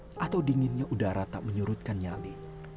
panas terik atau dinginnya udara tak menyurutkan nyali